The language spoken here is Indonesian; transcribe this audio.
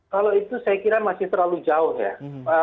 kalau itu saya kira masih terlalu jauh ya